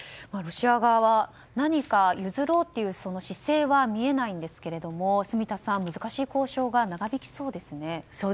ロシア側は何か譲ろうという姿勢は見えないんですけれども住田さん、難しい交渉が長引きそうですね。